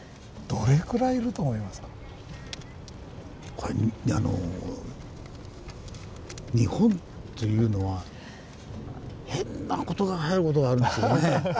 これあの日本というのは変な事がはやる事があるんですよね。